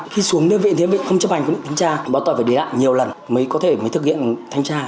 khi xuống đơn vị đơn vị không chấp hành với những thanh tra bọn tôi phải để lại nhiều lần mới có thể mới thực hiện thanh tra